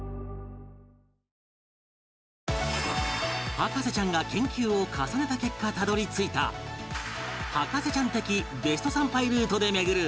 博士ちゃんが研究を重ねた結果たどり着いた博士ちゃん的ベスト参拝ルートで巡る